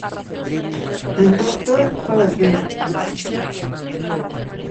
E en total, ¿para que?